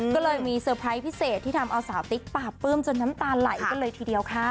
ก็เลยมีเซอร์ไพรส์พิเศษที่ทำเอาสาวติ๊กปราบปลื้มจนน้ำตาไหลกันเลยทีเดียวค่ะ